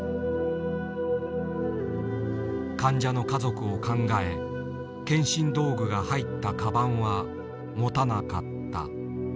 患者の家族を考え検診道具が入ったかばんは持たなかった。